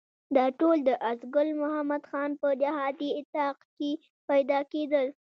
دا ټول د آس ګل محمد خان په جهادي اطاق کې پیدا کېدل.